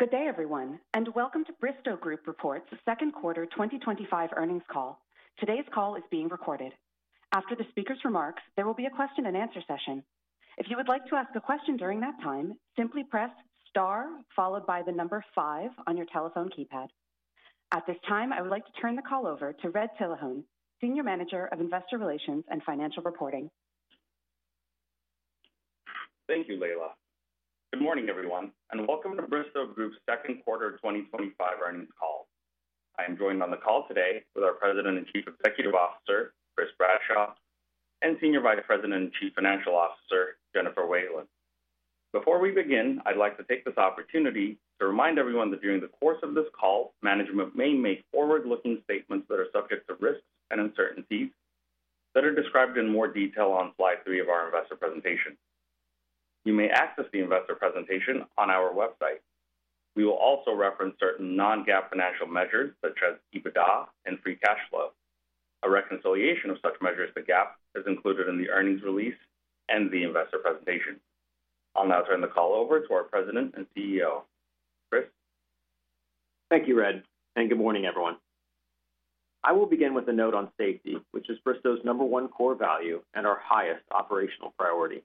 Good day, everyone, and welcome to Bristow Group Reports' Second Quarter 2025 Earnings Call. Today's call is being recorded. After the speaker's remarks, there will be a question and answer session. If you would like to ask a question during that time, simply press star followed by the number five on your telephone keypad. At this time, I would like to turn the call over to Red Tilahun, Senior Manager of Investor Relations and Financial Reporting. Thank you, Leila. Good morning, everyone, and welcome to Bristow Group's second quarter 2025 earnings call. I am joined on the call today with our President and Chief Executive Officer, Chris Bradshaw, and Senior Vice President and Chief Financial Officer, Jennifer Whalen. Before we begin, I'd like to take this opportunity to remind everyone that during the course of this call, management may make forward-looking statements that are subject to risk and uncertainties that are described in more detail on slide three of our investor presentation. You may access the investor presentation on our website. We will also reference certain non-GAAP financial measures such as EBITDA and free cash flow. A reconciliation of such measures to GAAP is included in the earnings release and the investor presentation. I'll now turn the call over to our President and CEO, Chris. Thank you, Red, and good morning, everyone. I will begin with a note on safety, which is Bristow's number one core value and our highest operational priority.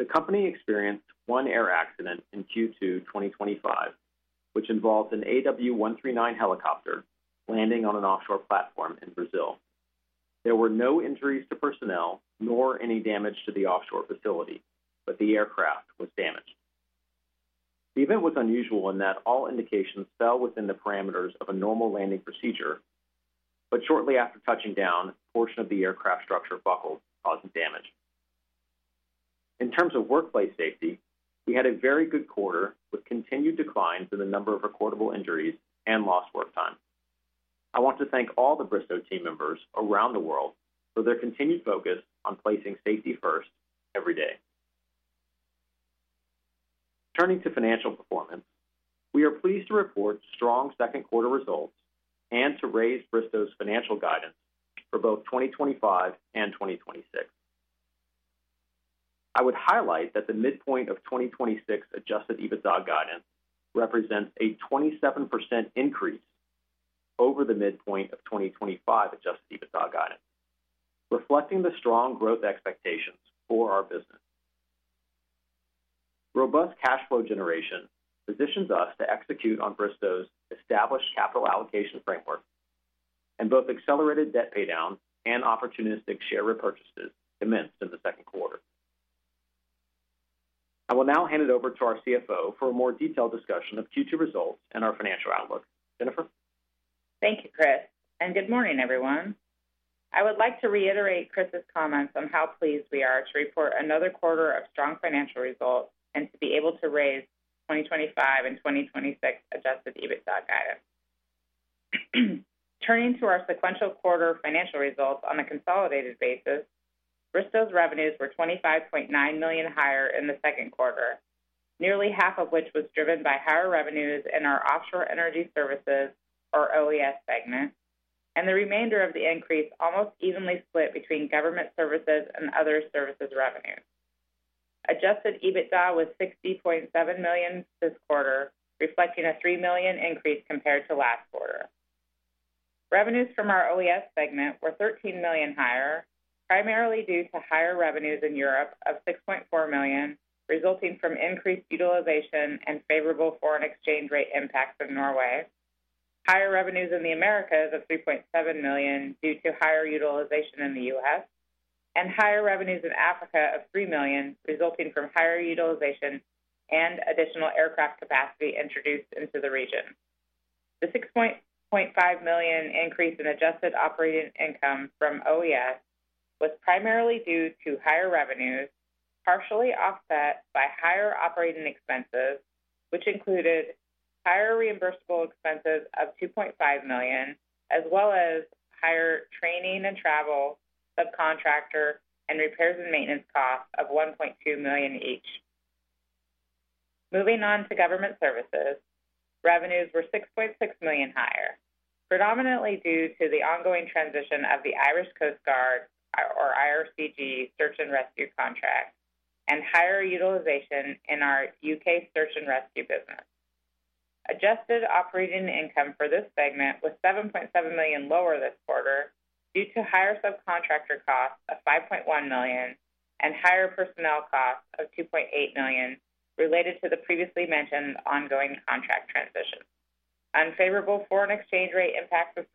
The company experienced one air accident in Q2 2025, which involved an AW139 helicopter landing on an offshore platform in Brazil. There were no injuries to personnel nor any damage to the offshore facility, but the aircraft was damaged. The event was unusual in that all indications fell within the parameters of a normal landing procedure, but shortly after touching down, a portion of the aircraft structure buckled, causing damage. In terms of workplace safety, we had a very good quarter with continued decline in the number of recordable injuries and lost work time. I want to thank all the Bristow team members around the world for their continued focus on placing safety first every day. Turning to financial performance, we are pleased to report strong second quarter results and to raise Bristow's financial guidance for both 2025 and 2026. I would highlight that the midpoint of 2026 adjusted EBITDA guidance represents a 27% increase over the midpoint of 2025 adjusted EBITDA guidance, reflecting the strong growth expectations for our business. Robust cash flow generation positions us to execute on Bristow's established capital allocation framework, and both accelerated debt paydowns and opportunistic share repurchases commenced in the second quarter. I will now hand it over to our CFO for a more detailed discussion of Q2 results and our financial outlook. Jennifer? Thank you, Chris, and good morning, everyone. I would like to reiterate Chris's comments on how pleased we are to report another quarter of strong financial results and to be able to raise 2025 and 2026 adjusted EBITDA guidance. Turning to our sequential quarter financial results on a consolidated basis, Bristow's revenues were $25.9 million higher in the second quarter, nearly half of which was driven by higher revenues in our Offshore Energy Services, or OES, segment, and the remainder of the increase almost evenly split between government services and other services revenues. Adjusted EBITDA was $60.7 million this quarter, reflecting a $3 million increase compared to last quarter. Revenues from our OES segment were $13 million higher, primarily due to higher revenues in Europe of $6.4 million, resulting from increased utilization and favorable foreign exchange rate impacts in Norway, higher revenues in the Americas of $3.7 million due to higher utilization in the U.S., and higher revenues in Africa of $3 million, resulting from higher utilization and additional aircraft capacity introduced into the region. The $6.5 million increase in adjusted operating income from OES was primarily due to higher revenues, partially offset by higher operating expenses, which included higher reimbursable expenses of $2.5 million, as well as higher training and travel, subcontractor, and repairs and maintenance costs of $1.2 million each. Moving on to government services, revenues were $6.6 million higher, predominantly due to the ongoing transition of the Irish Coast Guard, or IRCG, search and rescue contract, and higher utilization in our U.K. search and rescue business. Adjusted operating income for this segment was $7.7 million lower this quarter due to higher subcontractor costs of $5.1 million and higher personnel costs of $2.8 million related to the previously mentioned ongoing contract transition. Unfavorable foreign exchange rate impacts of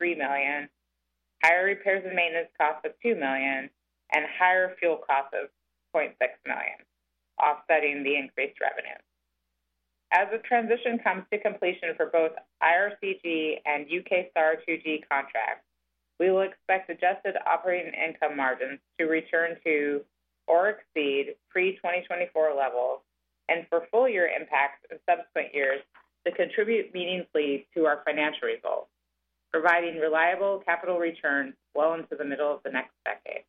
$3 million, higher repairs and maintenance costs of $2 million, and higher fuel costs of $0.6 million, offsetting the increased revenues. As the transition comes to completion for both IRCG and UKSAR2G contracts, we will expect adjusted operating income margins to return to or exceed pre-2024 levels, and for full-year impacts in subsequent years to contribute meaningfully to our financial results, providing reliable capital returns well into the middle of the next decade.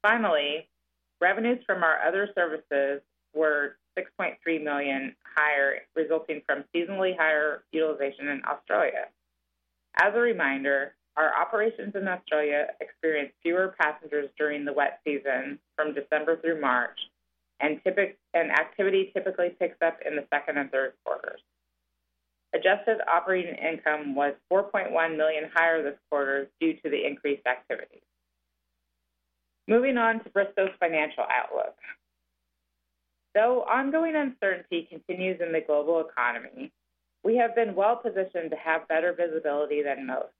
Finally, revenues from our other services were $6.3 million higher, resulting from seasonally higher utilization in Australia. As a reminder, our operations in Australia experience fewer passengers during the wet season from December through March, and activity typically picks up in the second and third quarters. Adjusted operating income was $4.1 million higher this quarter due to the increased activity. Moving on to Bristow's financial outlook. Though ongoing uncertainty continues in the global economy, we have been well positioned to have better visibility than most.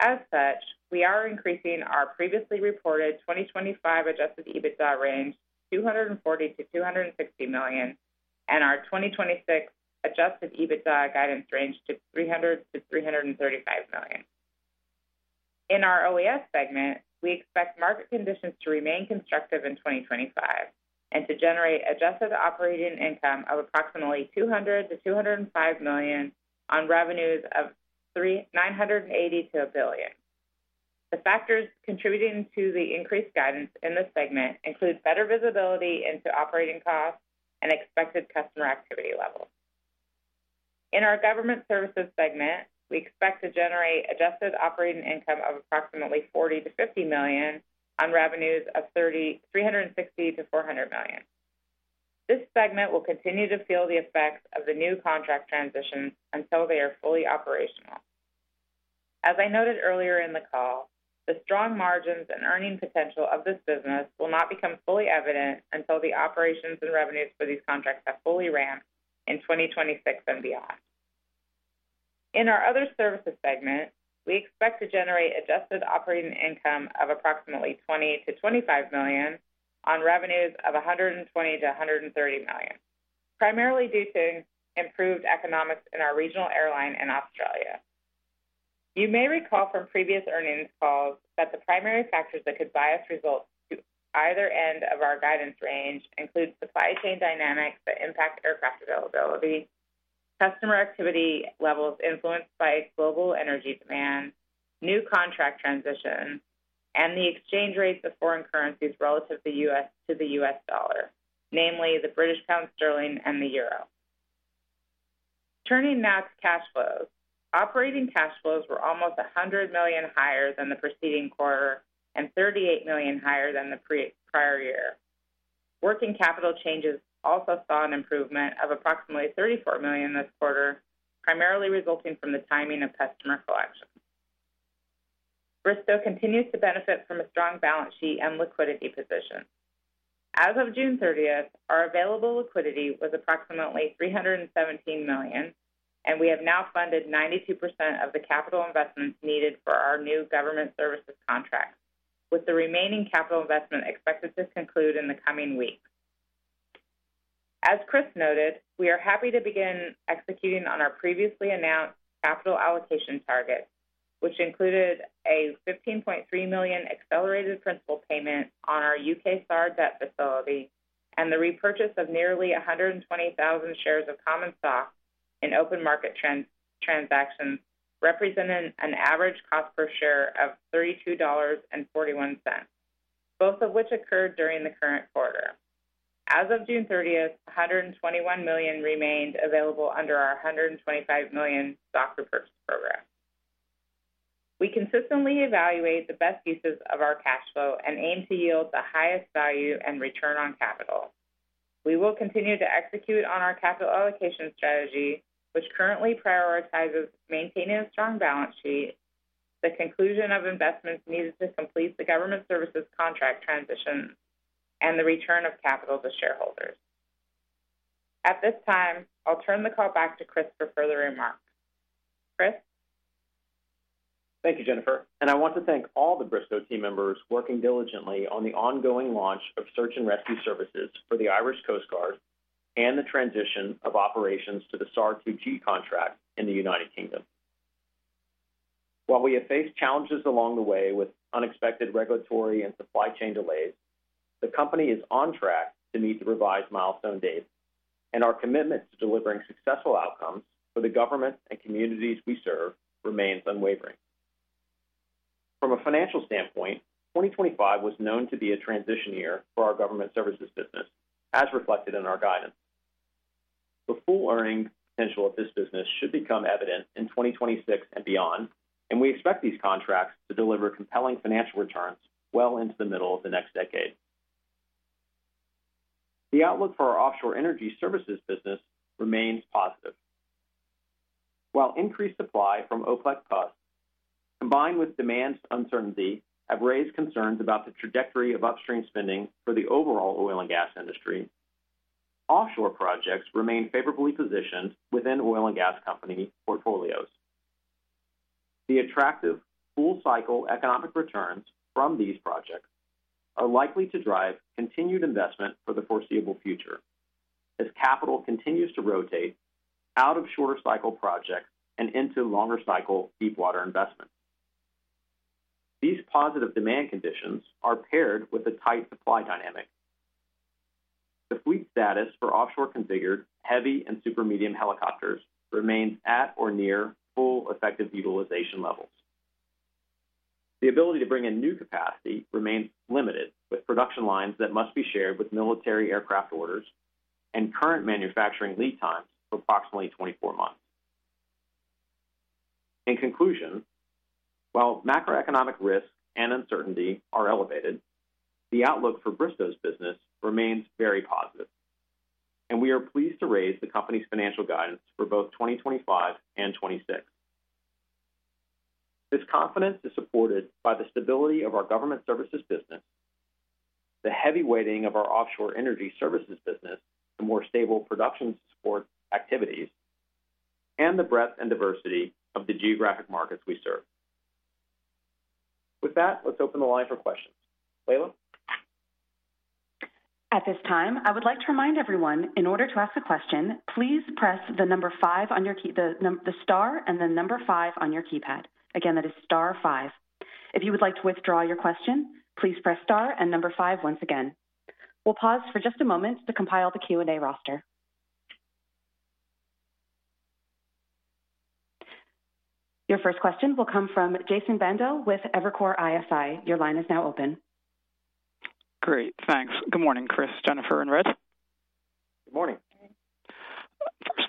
As such, we are increasing our previously reported 2025 adjusted EBITDA range to $240 million-$260 million, and our 2026 adjusted EBITDA guidance range to $300 million-$335 million. In our OES segment, we expect market conditions to remain constructive in 2025 and to generate adjusted operating income of approximately $200 million-$205 million on revenues of $982 million. The factors contributing to the increased guidance in this segment include better visibility into operating costs and expected customer activity levels. In our government services segment, we expect to generate adjusted operating income of approximately $40 million-$50 million on revenues of $360 million-$400 million. This segment will continue to feel the effects of the new contract transitions until they are fully operational. As I noted earlier in the call, the strong margins and earning potential of this business will not become fully evident until the operations and revenues for these contracts have fully ramped in 2026 and beyond. In our other services segment, we expect to generate adjusted operating income of approximately $20 million-$25 million on revenues of $120 million-$130 million, primarily due to improved economics in our regional airline in Australia. You may recall from previous earnings calls that the primary factors that could bias results to either end of our guidance range include supply chain dynamics that impact aircraft availability, customer activity levels influenced by global energy demand, new contract transitions, and the exchange rates of foreign currencies relative to the U.S. dollar, namely the British pound sterling and the euro. Turning now to cash flows, operating cash flows were almost $100 million higher than the preceding quarter and $38 million higher than the prior year. Working capital changes also saw an improvement of approximately $34 million this quarter, primarily resulting from the timing of customer selection. Bristow continues to benefit from a strong balance sheet and liquidity position. As of June 30th, our available liquidity was approximately $317 million, and we have now funded 92% of the capital investments needed for our new government services contract, with the remaining capital investment expected to conclude in the coming weeks. As Chris noted, we are happy to begin executing on our previously announced capital allocation targets, which included a $15.3 million accelerated principal payment on our UKSAR debt facility and the repurchase of nearly 120,000 shares of common stock in open market transactions, representing an average cost per share of $32.41, both of which occurred during the current quarter. As of June 30th, $121 million remained available under our $125 million stock repurchase program. We consistently evaluate the best uses of our cash flow and aim to yield the highest value and return on capital. We will continue to execute on our capital allocation strategy, which currently prioritizes maintaining a strong balance sheet, the conclusion of investments needed to complete the government services contract transitions, and the return of capital to shareholders. At this time, I'll turn the call back to Chris for further remarks. Chris? Thank you, Jennifer, and I want to thank all the Bristow team members working diligently on the ongoing launch of search and rescue services for the Irish Coast Guard and the transition of operations to the UKSAR2G contract in the United Kingdom. While we have faced challenges along the way with unexpected regulatory and supply chain delays, the company is on track to meet the revised milestone dates, and our commitment to delivering successful outcomes for the government and communities we serve remains unwavering. From a financial standpoint, 2025 was known to be a transition year for our government services business, as reflected in our guidance. The full earning potential of this business should become evident in 2026 and beyond, and we expect these contracts to deliver compelling financial returns well into the middle of the next decade. The outlook for our Offshore Energy Services business remains positive. While increased supply from OPEC+, combined with demand uncertainty, have raised concerns about the trajectory of upstream spending for the overall oil and gas industry, offshore projects remain favorably positioned within oil and gas company portfolios. The attractive full cycle economic returns from these projects are likely to drive continued investment for the foreseeable future, as capital continues to rotate out of shorter cycle projects and into longer cycle deep water investments. These positive demand conditions are paired with a tight supply dynamic. The fleet status for offshore configured heavy and super medium helicopters remains at or near full effective utilization levels. The ability to bring in new capacity remains limited, with production lines that must be shared with military aircraft orders and current manufacturing lead times of approximately 24 months. In conclusion, while macroeconomic risks and uncertainty are elevated, the outlook for Bristow's business remains very positive, and we are pleased to raise the company's financial guidance for both 2025 and 2026. This confidence is supported by the stability of our government services business, the heavy weighting of our Offshore Energy Services business, the more stable production support activities, and the breadth and diversity of the geographic markets we serve. With that, let's open the line for questions. Leila? At this time, I would like to remind everyone, in order to ask a question, please press the star and the number five on your keypad. Again, that is star five. If you would like to withdraw your question, please press star and number five once again. We'll pause for just a moment to compile the Q&A roster. Your first question will come from Jason Bandel with Evercore ISI. Your line is now open. Great, thanks. Good morning, Chris, Jennifer, and Red. Good morning.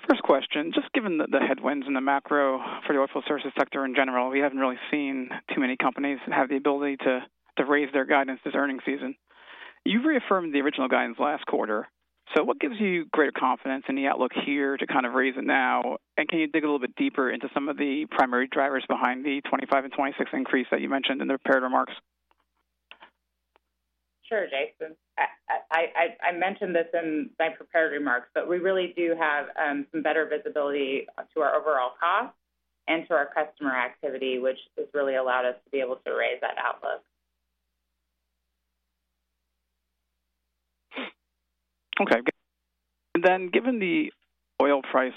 First question, just given the headwinds in the macro for the oil sources sector in general, we haven't really seen too many companies that have the ability to raise their guidance this earnings season. You reaffirmed the original guidance last quarter. What gives you greater confidence in the outlook here to kind of raise it now? Can you dig a little bit deeper into some of the primary drivers behind the 2025 and 2026 increase that you mentioned in the prepared remarks? Sure, Jason. I mentioned this in my prepared remarks, but we really do have some better visibility into our overall costs and to our customer activity, which has really allowed us to be able to raise that outlook. Given the oil price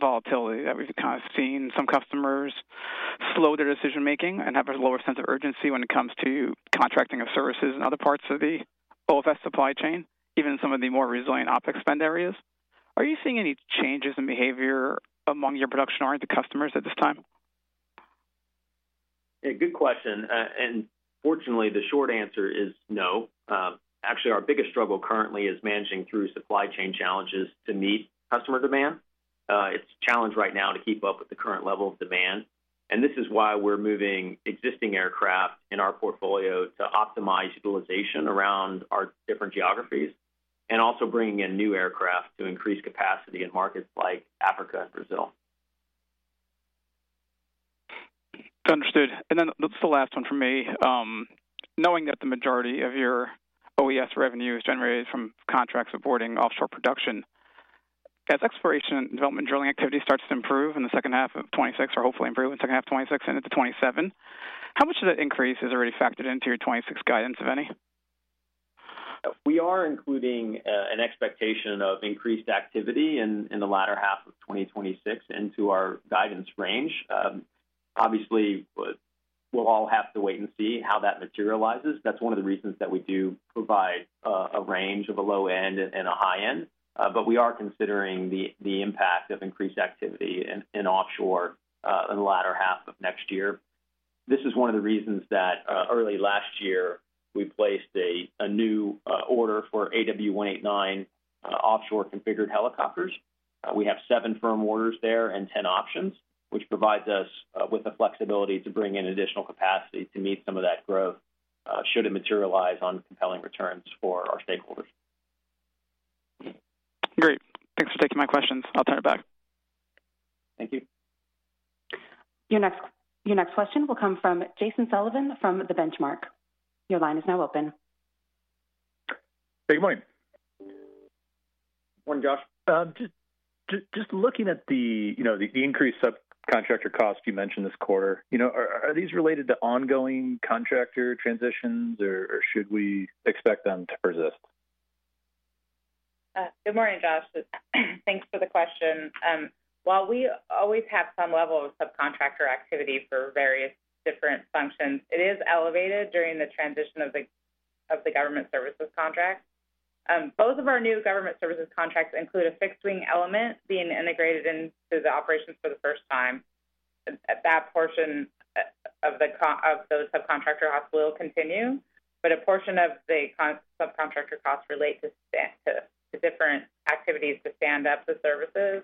volatility that we've kind of seen, some customers slow their decision-making and have a lower sense of urgency when it comes to contracting of services in other parts of the OFS supply chain, even some of the more resilient OpEx spend areas. Are you seeing any changes in behavior among your production line to customers at this time? Good question. Fortunately, the short answer is no. Actually, our biggest struggle currently is managing through supply chain challenges to meet customer demand. It's a challenge right now to keep up with the current level of demand. This is why we're moving existing aircraft in our portfolio to optimize utilization around our different geographies and also bringing in new aircraft to increase capacity in markets like Africa and Brazil. Understood. That's the last one for me. Knowing that the majority of your OES revenue is generated from contracts supporting offshore production, as exploration and development drilling activity starts to improve in the second half of 2026 or hopefully improve in the second half of 2026 and into 2027, how much of that increase is already factored into your 2026 guidance, if any? We are including an expectation of increased activity in the latter half of 2026 into our guidance range. Obviously, we'll all have to wait and see how that materializes. That's one of the reasons that we do provide a range of a low end and a high end. We are considering the impact of increased activity in offshore in the latter half of next year. This is one of the reasons that early last year we placed a new order for AW189 offshore configured helicopters. We have seven firm orders there and 10 options, which provides us with the flexibility to bring in additional capacity to meet some of that growth should it materialize on compelling returns for our stakeholders. Great. Thanks for taking my questions. I'll turn it back. Thank you. Your next question will come from Josh Sullivan from The Benchmark. Your line is now open. Good morning. Morning, Josh. Morning, Josh? Just looking at the increased subcontractor costs you mentioned this quarter, are these related to ongoing contractor transitions, or should we expect them to persist? Good morning, Josh. Thanks for the question. While we always have some level of subcontractor activity for various different functions, it is elevated during the transition of the government services contract. Both of our new government services contracts include a fixed-wing element being integrated into the operations for the first time. That portion of the subcontractor costs will continue, but a portion of the subcontractor costs relate to different activities to stand up the services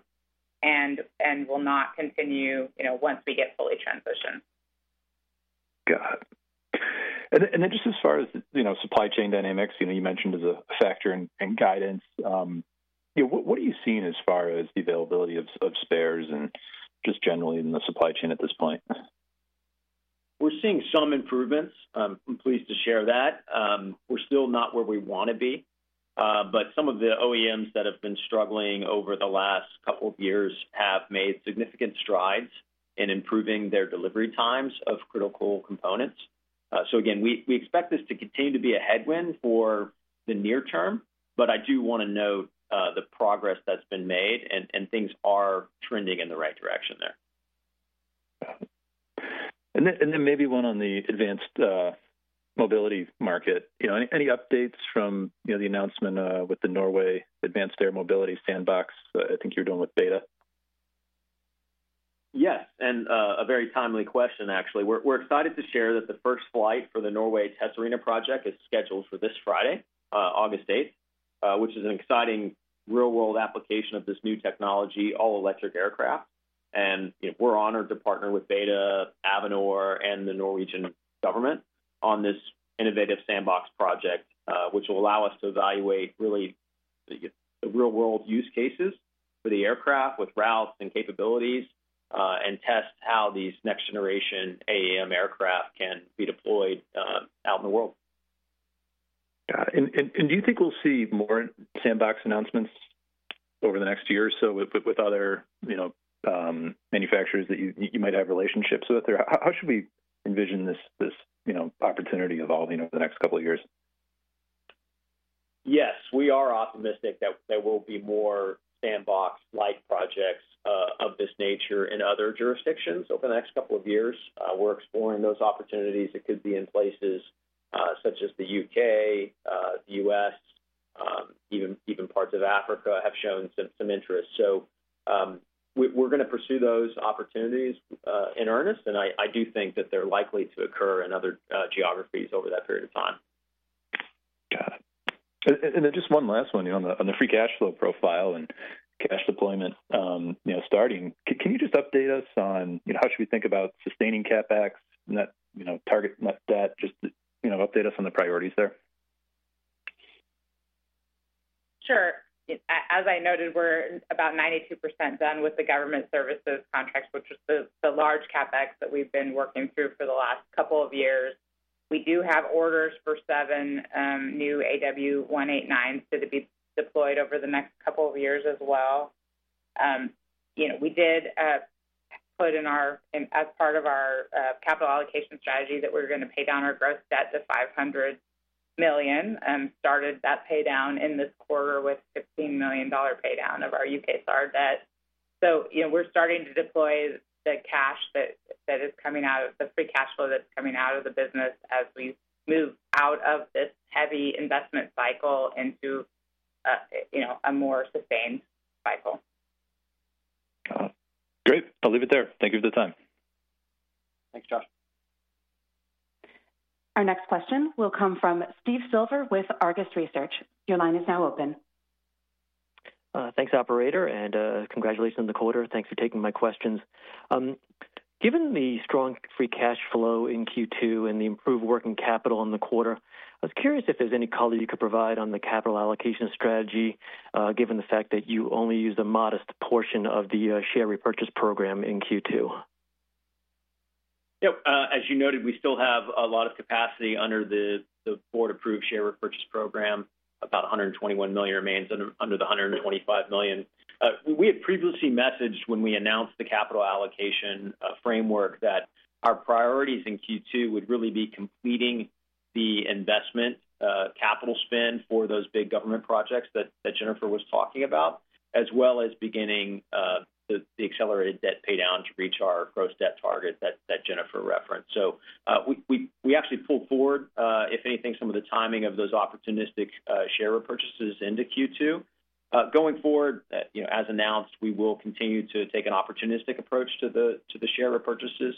and will not continue once we get fully transitioned. Got it. As far as supply chain dynamics, you mentioned as a factor in guidance, what are you seeing as far as the availability of spares and just generally in the supply chain at this point? We're seeing some improvements. I'm pleased to share that. We're still not where we want to be, but some of the OEMs that have been struggling over the last couple of years have made significant strides in improving their delivery times of critical components. We expect this to continue to be a headwind for the near term, but I do want to note the progress that's been made and things are trending in the right direction there. Maybe one on the advanced mobility market. Any updates from the announcement with the Norway Advanced Air Mobility Sandbox? I think you're doing with BETA. Yes, a very timely question, actually. We're excited to share that the first flight for the Norway Test Arena project is scheduled for this Friday, August 8, which is an exciting real-world application of this new technology, all-electric aircraft. We're honored to partner with BETA, Avinor, and the Norwegian government on this innovative sandbox project, which will allow us to evaluate really the real-world use cases for the aircraft with routes and capabilities and test how these next-generation AAM aircraft can be deployed out in the world. Do you think we'll see more sandbox announcements over the next year or so with other manufacturers that you might have relationships with? How should we envision this opportunity evolving over the next couple of years? Yes, we are optimistic that there will be more sandbox-like projects of this nature in other jurisdictions over the next couple of years. We're exploring those opportunities. It could be in places such as the U.K., the U.S., even parts of Africa have shown some interest. We are going to pursue those opportunities in earnest, and I do think that they're likely to occur in other geographies over that period of time. Got it. Just one last one, on the free cash flow profile and cash deployment starting, can you update us on how should we think about sustaining CapEx and that target net debt? Just update us on the priorities there. Sure. As I noted, we're about 92% done with the government services contracts, which is the large CapEx that we've been working through for the last couple of years. We do have orders for seven new AW189s to be deployed over the next couple of years as well. We did put in our, as part of our capital allocation strategy, that we're going to pay down our gross debt to $500 million and started that paydown in this quarter with a $15 million paydown of our UKSAR debt. We're starting to deploy the cash that is coming out of the free cash flow that's coming out of the business as we move out of this heavy investment cycle into a more sustained cycle. Great. I'll leave it there. Thank you for the time. Thanks, Josh. Our next question will come from Steve Silver with Argus Research. Your line is now open. Thanks, operator, and congratulations on the quarter. Thanks for taking my questions. Given the strong free cash flow in Q2 and the improved working capital in the quarter, I was curious if there's any call that you could provide on the capital allocation strategy, given the fact that you only use a modest portion of the share repurchase program in Q2. Yep. As you noted, we still have a lot of capacity under the board-approved share repurchase program. About $121 million remains under the $125 million. We had previously messaged when we announced the capital allocation framework that our priorities in Q2 would really be completing the investment capital spend for those big government projects that Jennifer was talking about, as well as beginning the accelerated debt paydown to reach our gross debt target that Jennifer referenced. We actually pulled forward, if anything, some of the timing of those opportunistic share repurchases into Q2. Going forward, as announced, we will continue to take an opportunistic approach to the share repurchases.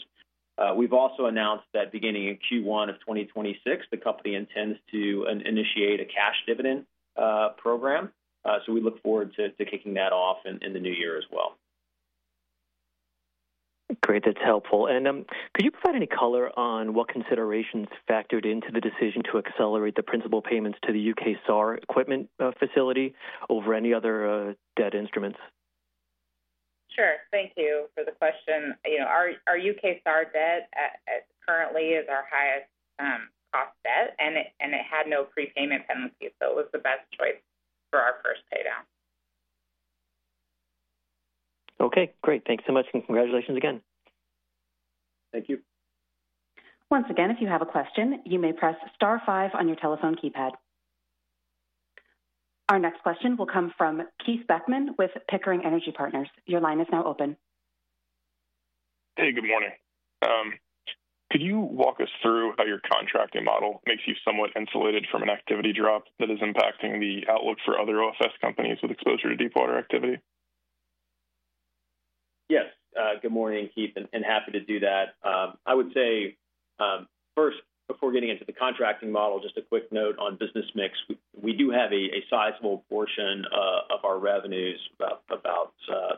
We've also announced that beginning in Q1 of 2026, the company intends to initiate a cash dividend program. We look forward to kicking that off in the new year as well. Great. That's helpful. Could you provide any color on what considerations factored into the decision to accelerate the principal payments to the UKSAR equipment facility over any other debt instruments? Sure. Thank you for the question. Our UKSAR debt currently is our highest cost debt, and it had no prepayment penalty, so it was the best choice for our first paydown. Okay, great. Thanks so much, and congratulations again. Thank you. Once again, if you have a question, you may press star five on your telephone keypad. Our next question will come from Keith Beckmann with Pickering Energy Partners. Your line is now open. Hey, good morning. Could you walk us through how your contracting model makes you somewhat insulated from an activity drop that is impacting the outlook for other OFS companies with exposure to deep water activity? Yes. Good morning, Keith, and happy to do that. I would say first, before getting into the contracting model, just a quick note on business mix. We do have a sizable portion of our revenues, about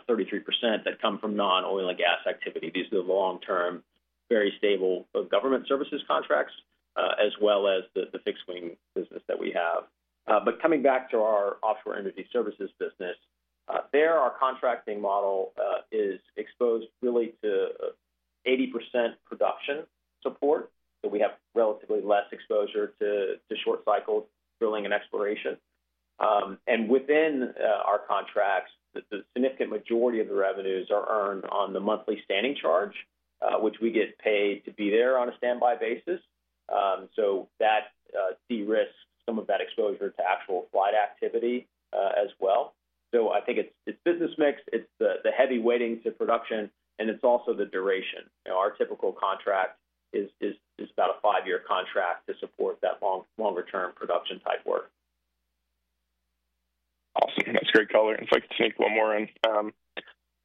33%, that come from non-oil and gas activity. These are the long-term, very stable government services contracts, as well as the fixed-wing business that we have. Coming back to our offshore energy services business, our contracting model is exposed really to 80% production support. We have relatively less exposure to short cycle drilling and exploration. Within our contracts, the significant majority of the revenues are earned on the monthly standing charge, which we get paid to be there on a standby basis. That de-risked some of that exposure to actual flight activity as well. I think it's business mix, it's the heavy weighting to production, and it's also the duration. Our typical contract is about a five-year contract to support that longer-term production type work. That's great color. If I could take one more in,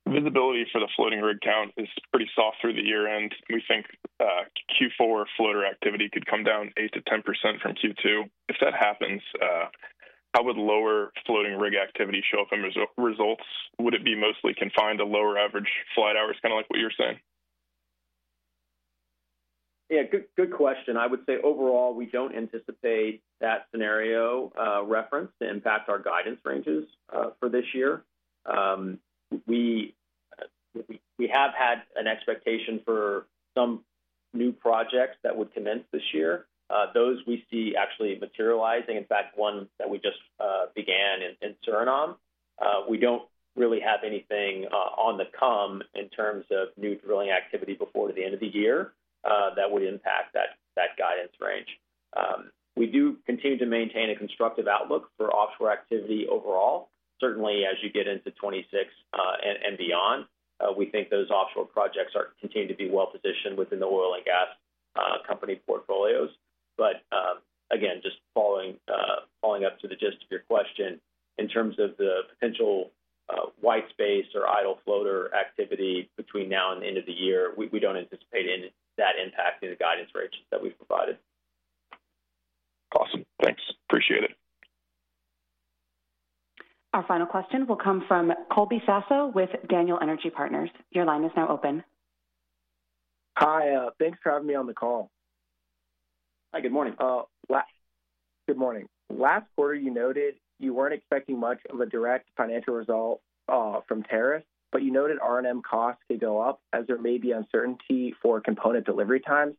visibility for the floating rig count is pretty soft through the year-end. We think Q4 floater activity could come down 8 to 10% from Q2. If that happens, how would lower floating rig activity show up in results? Would it be mostly confined to lower average flight hours, kind of like what you're saying? Yeah, good question. I would say overall, we don't anticipate that scenario referenced to impact our guidance ranges for this year. We have had an expectation for some new projects that would commence this year. Those we see actually materializing. In fact, one that we just began in Suriname. We don't really have anything on the come in terms of new drilling activity before the end of the year that would impact that guidance range. We do continue to maintain a constructive outlook for offshore activity overall. Certainly, as you get into 2026 and beyond, we think those offshore projects are continuing to be well positioned within the oil and gas company portfolios. Again, just following up to the gist of your question, in terms of the potential white space or idle floater activity between now and the end of the year, we don't anticipate that impacting the guidance rates that we've provided. Awesome. Thanks. Appreciate it. Our final question will come from Colby Sasso with Daniel Energy Partners. Your line is now open. Hi, thanks for having me on the call. Hi, good morning. Good morning. Last quarter, you noted you weren't expecting much of a direct financial result from tariffs, but you noted R&M costs could go up as there may be uncertainty for component delivery times.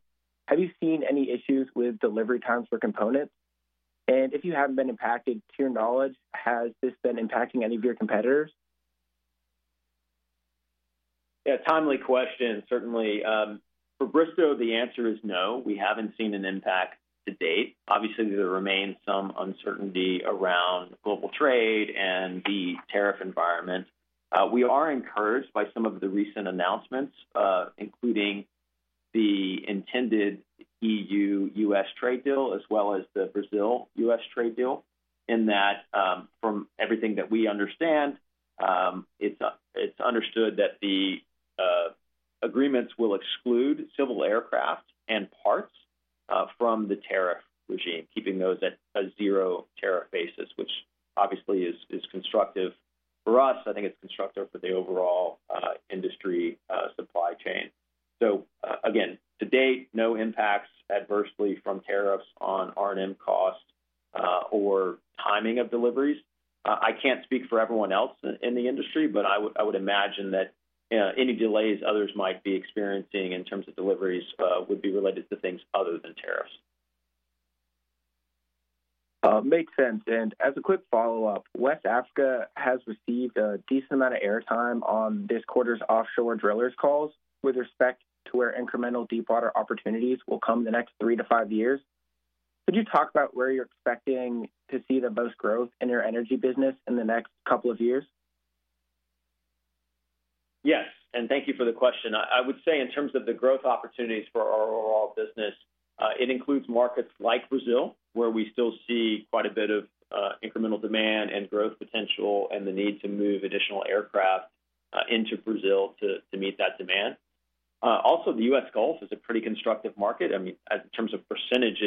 Have you seen any issues with delivery times for components? If you haven't been impacted, to your knowledge, has this been impacting any of your competitors? Yeah, timely question. Certainly. For Bristow, the answer is no. We haven't seen an impact to date. Obviously, there remains some uncertainty around global trade and the tariff environment. We are encouraged by some of the recent announcements, including the intended EU-U.S. trade deal, as well as the Brazil-U.S. trade deal, in that from everything that we understand, it's understood that the agreements will exclude civil aircraft and parts from the tariff regime, keeping those at a zero tariff basis, which obviously is constructive for us. I think it's constructive for the overall industry supply chain. Again, to date, no impacts adversely from tariffs on R&M costs or timing of deliveries. I can't speak for everyone else in the industry, but I would imagine that any delays others might be experiencing in terms of deliveries would be related to things other than tariffs. Makes sense. As a quick follow-up, West Africa has received a decent amount of airtime on this quarter's offshore drillers calls with respect to where incremental deep water opportunities will come in the next three to five years. Could you talk about where you're expecting to see the most growth in your energy business in the next couple of years? Yes, and thank you for the question. I would say in terms of the growth opportunities for our overall business, it includes markets like Brazil, where we still see quite a bit of incremental demand and growth potential and the need to move additional aircraft into Brazil to meet that demand. Also, the U.S. Gulf is a pretty constructive market. In terms of percentage,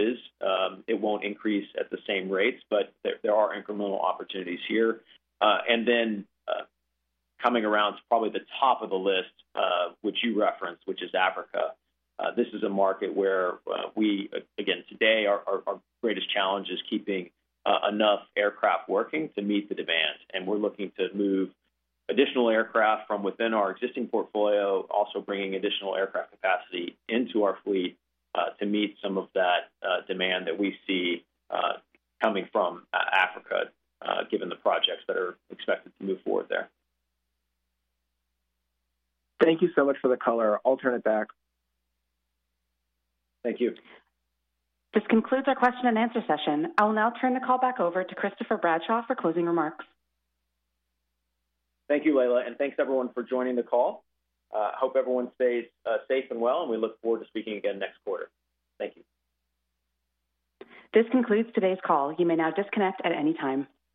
it won't increase at the same rates, but there are incremental opportunities here. Coming around to probably the top of the list, which you referenced, which is Africa, this is a market where we, again, today our greatest challenge is keeping enough aircraft working to meet the demand. We're looking to move additional aircraft from within our existing portfolio, also bringing additional aircraft capacity into our fleet to meet some of that demand that we see coming from Africa, given the projects that are expected to move forward there. Thank you so much for the color. I'll turn it back. Thank you. This concludes our question and answer session. I will now turn the call back over to Christopher Bradshaw for closing remarks. Thank you, Leila, and thanks everyone for joining the call. I hope everyone stays safe and well, and we look forward to speaking again next quarter. Thank you. This concludes today's call. You may now disconnect at any time.